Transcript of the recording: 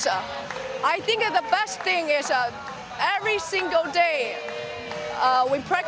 saya pikir yang terbaik adalah setiap hari kita berlatih dengan sangat keras